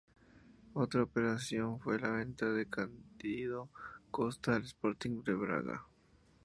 Otra operación fue la venta de Cándido Costa al Sporting de Braga.